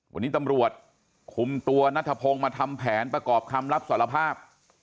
วันนี้ตำรวจคุมตัวนัทพงศ์มาทำแผนประกอบคำรับสารภาพ